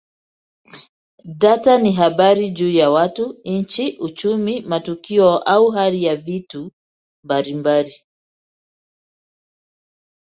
Data ni habari juu ya watu, nchi, uchumi, matukio au hali ya vitu mbalimbali.